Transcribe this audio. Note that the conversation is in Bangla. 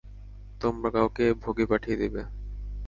তোমরা কাউকে ভোগে পাঠিয়ে দেবে।